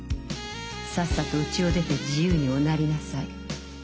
さっさとうちを出て自由におなりなさい』。